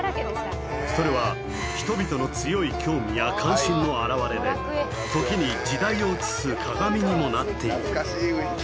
それは人々の強い興味や関心の表れで時に時代を映す鏡にもなっている